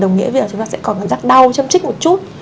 đồng nghĩa là chúng ta sẽ có cảm giác đau châm trích một chút